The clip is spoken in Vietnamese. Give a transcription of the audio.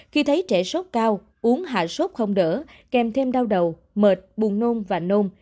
khi thấy trẻ sốt cao uống hạ sốt không đỡ kèm thêm đau đầu mệt buồn nôn và nôn